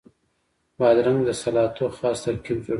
بادرنګ د سلاتو خاص ترکیب جوړوي.